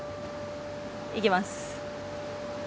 いきます。